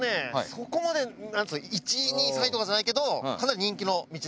そこまでなんつうの１位２位３位とかじゃないけどかなり人気の道の駅なんですよ。